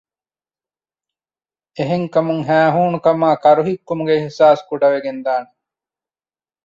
އެހެންކަމުން ހައިހޫނުކަމާއި ކަރުހިއްކުމުގެ އިޙްސާސް ކުޑަވެގެންދާނެ